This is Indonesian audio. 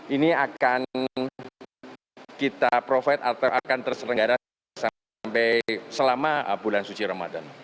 ini akan kita provide atau akan terselenggara sampai selama bulan suci ramadan